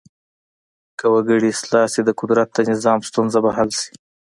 که وګړي اصلاح شي د قدرت د نظام ستونزه به حل شي.